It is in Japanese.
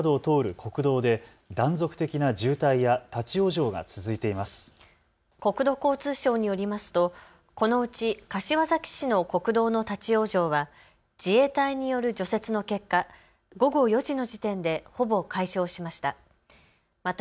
国土交通省によりますとこのうち柏崎市の国道の立往生は自衛隊による除雪の結果、午後４時の時点でほぼ解消しました。